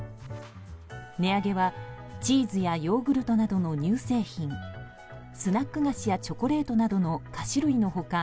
値上げはチーズやヨーグルトなどの乳製品スナック菓子やチョコレートなどの菓子類の他